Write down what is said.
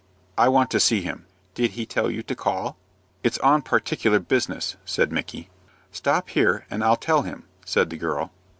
"I want to see him." "Did he tell you to call?" "It's on particular business," said Micky. "Stop here and I'll tell him," said the girl.